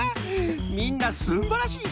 みんなすんばらしい